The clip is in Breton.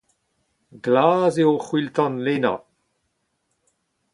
Glas eo c’hwil-tan Lena.